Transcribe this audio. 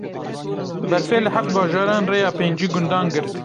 Berfê li heft bajaran rêya pêncî gundan girt.